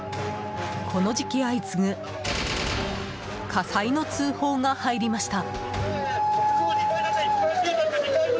この時期相次ぐ火災の通報が入りました。